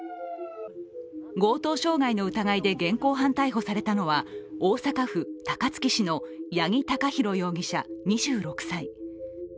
強盗傷害の疑いで現行犯逮捕されたのは大阪府高槻市の八木貴寛容疑者２６歳。